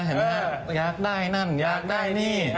เห็นมั้ยยากได้นั่นนั่นนี่